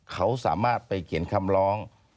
เขาสามารถไปเขียนคำร้อง